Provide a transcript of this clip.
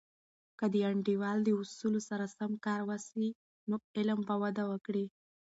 که د انډول د اصولو سره سم کار وسي، نو علم به وده وکړي.